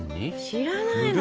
知らないの？